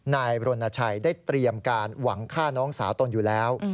นายรณชัยได้เตรียมการหวังฆ่าน้องสาวตนอยู่แล้ว